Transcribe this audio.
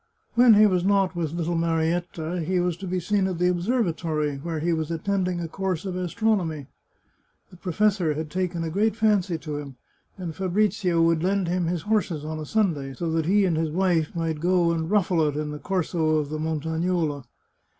When he was not with little Marietta, he was to be seen at the observatory, where he was attending a course of astronomy. The professor had taken a great fancy to him, and Fabrizio would lend him his horses on a Sunday, so that he and his wife might go and ruffle it in the Corso of the Montagnola.